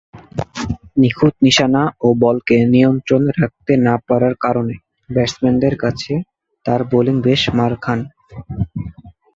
নিখুঁত নিশানা ও বলকে নিয়ন্ত্রণে রাখতে না পারার কারণে ব্যাটসম্যানদের কাছে তার বোলিং বেশ মার খান।